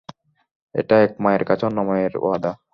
এটা এক মায়ের কাছে অন্য মায়ের ওয়াদা।